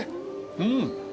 うん。